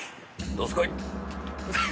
どすこい！